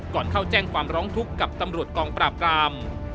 ก่อนเข้าแจ้งความร้องทุกข์กับตำรวจกองปราบราม